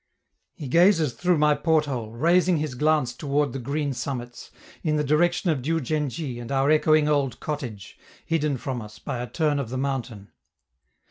He gazes through my port hole, raising his glance toward the green summits, in the direction of Diou djen dji and our echoing old cottage, hidden from us by a turn of the mountain.